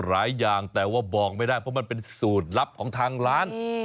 อย่างแต่ว่าบอกไม่ได้เพราะมันเป็นสูตรลับของทางร้าน